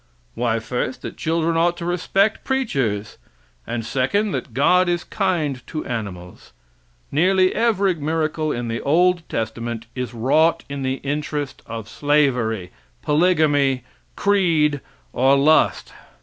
Why, first, that children ought to respect preachers, and second, that God is kind to animals. Nearly every miracle in the old testament is wrought in the interest of slavery, polygamy, creed or lust.